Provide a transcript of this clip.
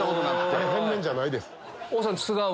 あれ変面じゃないです。